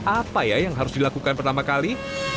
apa ya yang harus dilakukan pertama kali